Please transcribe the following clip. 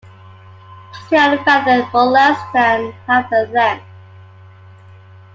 Tarsi are feathered for less than half their length.